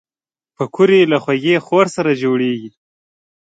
پکورې له خوږې خور سره جوړېږي